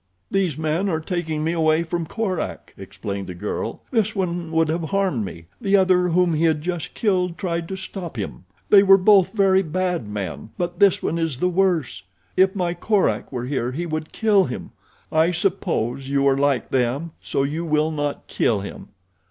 "These men are taking me away from Korak," explained the girl. "This one would have harmed me. The other, whom he had just killed, tried to stop him. They were both very bad men; but this one is the worse. If my Korak were here he would kill him. I suppose you are like them, so you will not kill him."